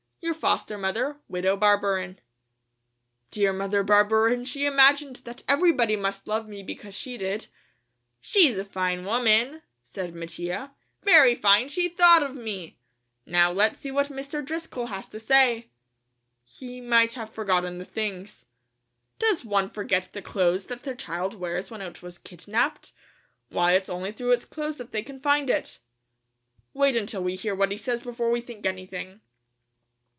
"Your foster mother, "WIDOW BARBERIN." Dear Mother Barberin! she imagined that everybody must love me because she did! "She's a fine woman," said Mattia; "very fine, she thought of me! Now let's see what Mr. Driscoll has to say." "He might have forgotten the things." "Does one forget the clothes that their child wears when it was kidnaped? Why, it's only through its clothes that they can find it." "Wait until we hear what he says before we think anything."